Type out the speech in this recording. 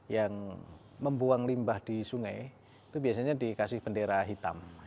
yang membuang limbah di sungai itu biasanya dikasih bendera hitam